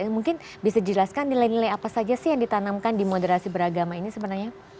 mungkin bisa dijelaskan nilai nilai apa saja sih yang ditanamkan di moderasi beragama ini sebenarnya